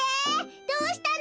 どうしたの？